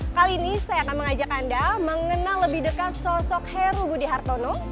kali ini saya akan mengajak anda mengenal lebih dekat sosok heru budi hartono